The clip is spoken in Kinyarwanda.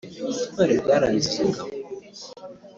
ubutwari bwaranze izo ngabo